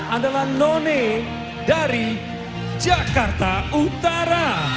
adalah none dari jakarta utara